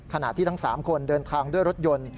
ขณะที่ทั้ง๓คนเดินทางด้วยรถยนต์